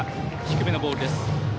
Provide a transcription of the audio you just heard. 低めのボールです。